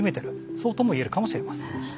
そうとも言えるかもしれません。